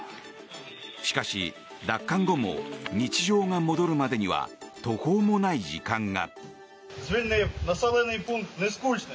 しかし、奪還後も日常が戻るまでには途方もない時間が。